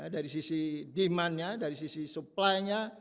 dari sisi demandnya dari sisi supply nya